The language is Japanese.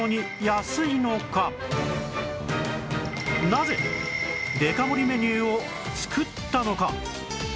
なぜデカ盛りメニューを作ったのか？